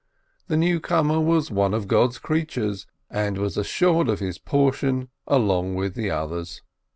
The newcomer was one of God's creatures, and was assured of his portion along with the others.